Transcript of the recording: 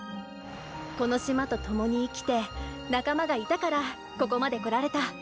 「この島と共に生きて仲間がいたからここまで来られた」。